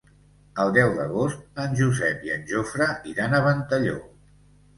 El deu d'agost en Josep i en Jofre iran a Ventalló.